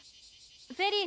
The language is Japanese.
フェリー